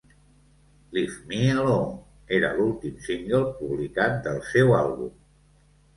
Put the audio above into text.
"Leave Me Alone" era l'últim single publicat del seu àlbum.